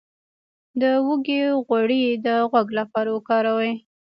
د هوږې غوړي د غوږ لپاره وکاروئ